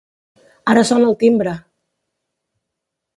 Ara sona el timbre!